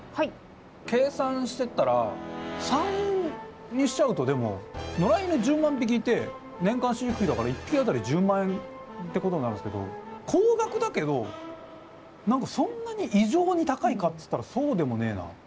計算してったら③にしちゃうとでも野良犬１０万匹いて年間飼育費だから１匹あたり１０万円ってことになるんですけど高額だけど何かそんなに異常に高いかっつったらそうでもねえな。